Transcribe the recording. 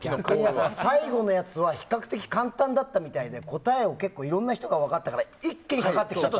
最後のやつは比較的簡単だったみたいで答えを結構いろんな人が分かったから一気にかかってきちゃって。